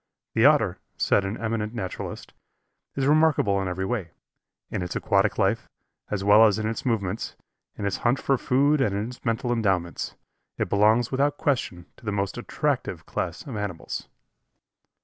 The Otter, said an eminent naturalist, is remarkable in every way; in its aquatic life, as well as in its movements; in its hunt for food and in its mental endowments. It belongs without question to the most attractive class of animals.